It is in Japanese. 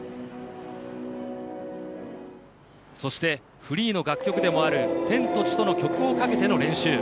そしてフリーの楽曲でもある『天と地と』の曲をかけての練習。